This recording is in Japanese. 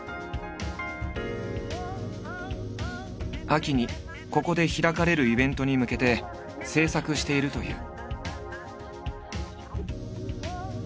秋にここで開かれるイベントに向けて制作しているという。